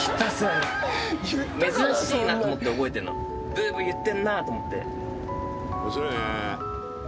ブーブー言ってんなと思って。